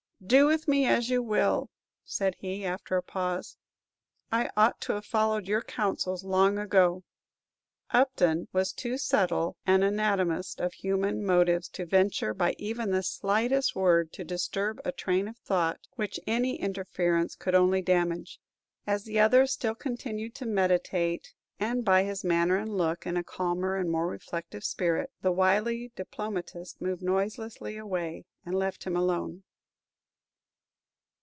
"Do with me as you will," said he, after a pause; "I ought to have followed your counsels long ago!" Upton was too subtle an anatomist of human motives to venture by even the slightest word to disturb a train of thought which any interference could only damage. As the other still continued to meditate, and, by his manner and look, in a calmer and more reflective spirit, the wily diplomatist moved noiselessly away, and left him alone.